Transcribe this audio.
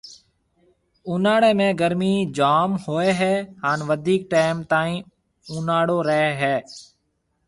اُوناݪيَ ۾ گرمِي جام ھوئيَ ھيََََ ھان وڌيڪ ٽيم تائين اوناݪو رَي ھيََََ